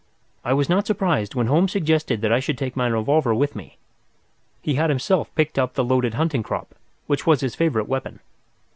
I was not surprised when Holmes suggested that I should take my revolver with me. He had himself picked up the loaded hunting crop, which was his favourite weapon.